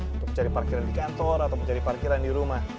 untuk mencari parkiran di kantor atau mencari parkiran di rumah